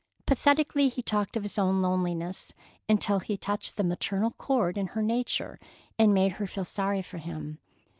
Pathetically he talked of his own loneliness, until he touched the maternal chord in her nature and made her feel sorry for him.